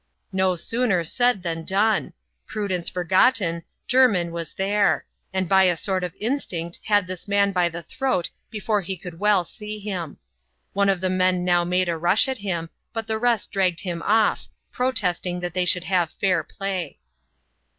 No sooner said than done ; prudence forgotten, Jermin was there ; and by a sort of instinct, had his man by the throat before he could well see him. One of the men now made a rash at him, but the rest dragged him off, protesting that they should have fur play.